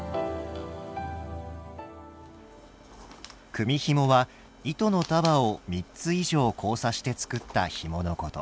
組みひもは糸の束を３つ以上交差して作ったひものこと。